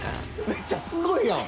めっちゃすごいやん！